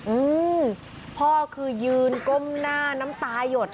อืมพ่อคือยืนก้มหน้าน้ำตาหยด